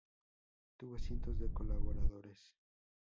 Tuvo cientos de colaboradores.